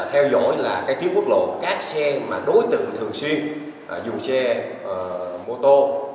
theo dõi là các chiếc quốc lộ các xe đối tượng thường xuyên dùng xe mô tô